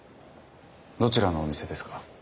どちらのお店ですか？